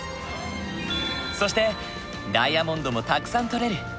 そしてダイヤモンドもたくさん採れる。